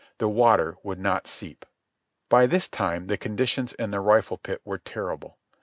The water would not seep. By this time the conditions in the rifle pit were terrible.